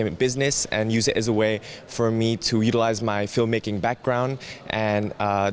dan menggunakannya sebagai cara untuk aku menggunakan background film filmku